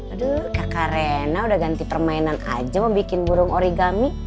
aduh kayak karena udah ganti permainan aja mau bikin burung origami